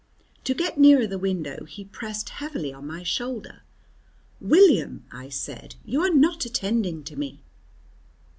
To get nearer the window he pressed heavily on my shoulder. "William," I said, "you are not attending to me!"